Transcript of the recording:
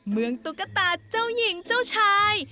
ตุ๊กตาเจ้าหญิงเจ้าชาย